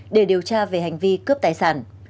để điều tra về hành vi cướp tài sản